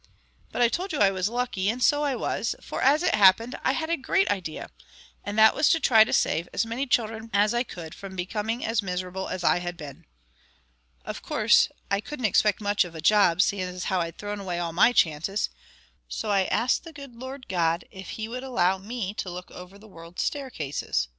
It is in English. But I told you I was lucky, and so I was, for as it happened I had a great idea; and that was to try and save as many children as I could from being as miserable as I had been. Of course, I couldn't expect much of a job, seeing how I'd thrown away all my chances, so I asked the good Lord God if He would allow me to look after the world's staircases."